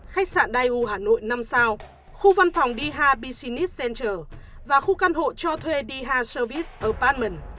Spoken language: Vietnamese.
khách sạn dai u hà nội năm sao khu văn phòng đi hà business center và khu căn hộ cho thuê đi hà service apartment